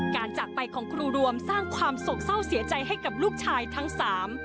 จากไปของครูรวมสร้างความโศกเศร้าเสียใจให้กับลูกชายทั้งสาม